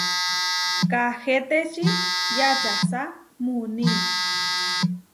Kaahetečí yačasá muuní.